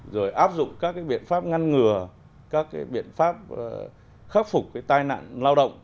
rồi áp dụng các biện pháp ngăn ngừa các biện pháp khắc phục tai nạn lao động